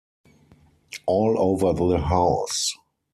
All over the house!